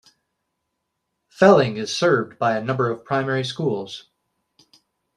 Felling is served by a number of primary schools.